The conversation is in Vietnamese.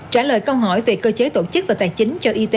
trả lời câu hỏi về cơ chế tổ chức và tài chính